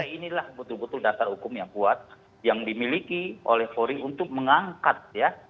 jadi inilah betul betul dasar hukum yang kuat yang dimiliki oleh polri untuk mengangkat ya